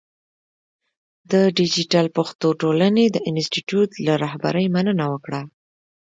د دیجیټل پښتو ټولنې د انسټیټوت له رهبرۍ مننه وکړه.